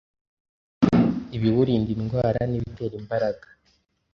ibiwurinda indwara n’ibitera imbaraga.